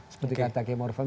seperti kata km arof